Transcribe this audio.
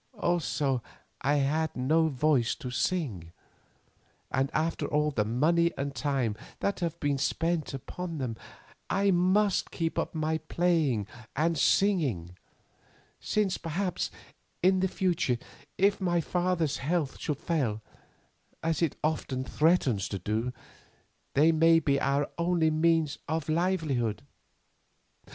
Also I had no voice to sing, and after all the money and time that have been spent upon them, I must keep up my playing and singing, since, perhaps, in the future if my father's health should fail, as it often threatens to do, they may be our only means of livelihood.